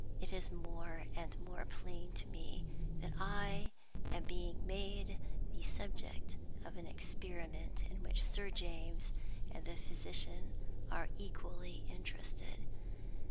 It is more and more plain to me that I am being made the subject of an experiment, in which Sir James and the physician are equally interested.